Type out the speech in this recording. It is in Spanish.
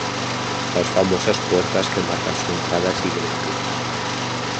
Las famosas puertas que marcan su entrada siguen en pie.